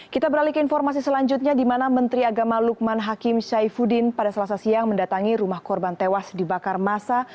kita beralih ke informasi selanjutnya di mana menteri agama lukman hakim syaifuddin pada selasa siang mendatangi rumah korban tewas dibakar masa